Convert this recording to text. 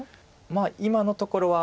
まあ今のところは。